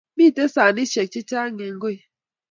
Miten sanishek chechang eng kooi